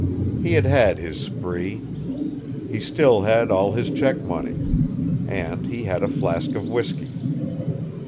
He had had his spree. He still had all his check money. And he had a flask of whisky.